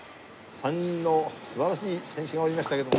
３人の素晴らしい選手がおりましたけれども。